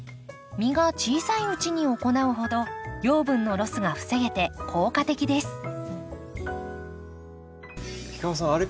実が小さいうちに行うほど養分のロスが防げて効果的です氷川さん